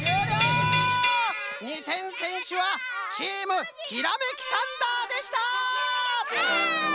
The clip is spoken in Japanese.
２てんせんしゅはチームひらめきサンダーでした！